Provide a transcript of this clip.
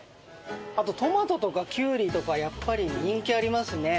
あとトマトとかキュウリとかやっぱり人気ありますね。